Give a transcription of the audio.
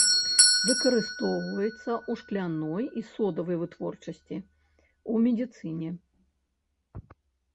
Выкарыстоўваецца ў шкляной і содавай вытворчасці, у медыцыне.